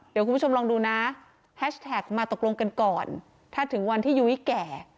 เดี๋ยวคุณผู้ชมลองดูนะแฮชแท็กมาตกลงกันก่อนถ้าถึงวันที่ยุ้ยแก่